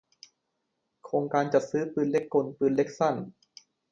โครงการจัดซื้อปืนเล็กกล ปืนเล็กสั้น